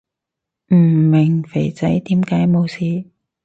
唔明肥仔點解冇事